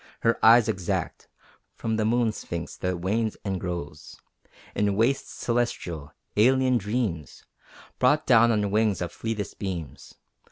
Her eyes exact From the Moon Sphinx that wanes and grows In wastes celestial, alien dreams Brought down on wings of fleetest beams.